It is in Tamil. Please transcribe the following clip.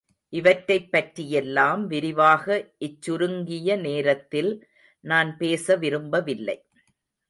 இவற்றைப் பற்றியெல்லாம் விரிவாக இச்சுருங்கிய நேரத்தில் நான் பேச விரும்பவில்லை.